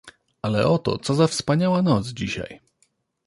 "Ale oto co za wspaniała noc dzisiaj!"